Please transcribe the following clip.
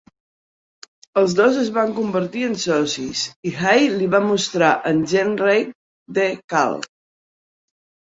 Els dos es van convertir en socis, i Hay li va mostrar a Gernreich The Call.